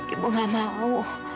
ibu gak mau